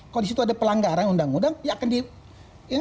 kalau di situ ada pelanggaran undang undang ya akan di